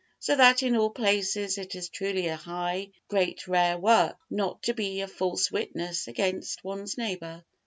so that in all places it is truly a high, great, rare work, not to be a false witness against one's neighbor.